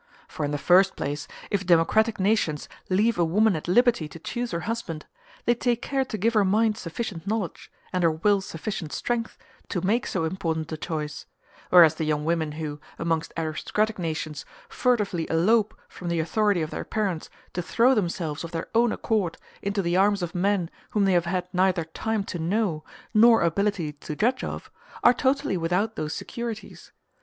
For in the first place, if democratic nations leave a woman at liberty to choose her husband, they take care to give her mind sufficient knowledge, and her will sufficient strength, to make so important a choice: whereas the young women who, amongst aristocratic nations, furtively elope from the authority of their parents to throw themselves of their own accord into the arms of men whom they have had neither time to know, nor ability to judge of, are totally without those securities.